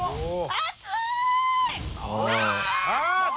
熱い！